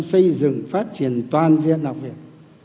xây dựng phát triển toàn diện học viện